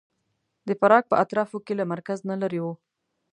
د پراګ په اطرافو کې له مرکز نه لرې و.